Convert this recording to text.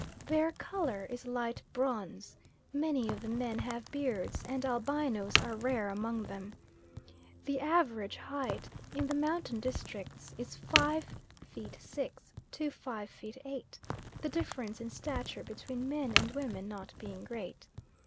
Their colour is light bronze, many of the men have beards, and albinoes are rare among them. The average height in the mountain districts is five feet six to five feet eight, the difference in stature between men and women not being great.